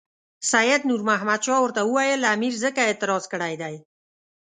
سید نور محمد شاه ورته وویل امیر ځکه اعتراض کړی دی.